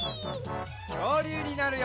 きょうりゅうになるよ！